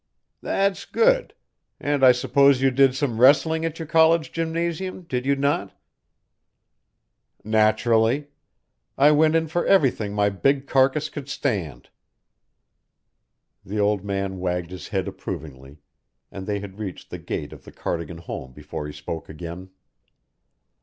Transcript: "That's good. And I suppose you did some wrestling at your college gymnasium, did you not?" "Naturally. I went in for everything my big carcass could stand." The old man wagged his head approvingly, and they had reached the gate of the Cardigan home before he spoke again.